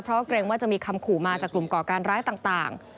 เพราะเกรงว่าจะมีคำขู่มาจากกลุ่มก่อการร้ายต่าง